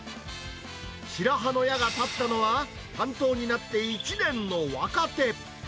白羽の矢が立ったのは、担当になって１年の若手。